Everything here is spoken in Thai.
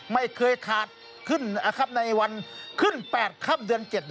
ไม่เคยขาดขึ้นในวันขึ้น๘ค่ำเดือน๗